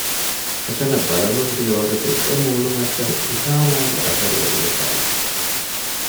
އެތަނަށް ބަލަމުން ދިޔަ ވަގުތު އެ މުނޫމައްޗަށް ހިތާމައިގެ އަސަރު ވެރިވެފައިވި